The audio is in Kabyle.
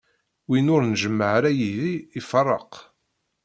Win ur njemmeɛ ara yid-i, iferreq.